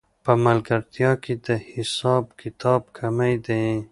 په ملګرتیا کې د حساب کتاب کمی دی